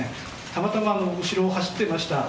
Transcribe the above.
たまたま後ろを走っていました